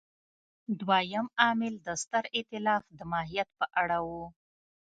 دویم عامل د ستر اېتلاف د ماهیت په اړه و.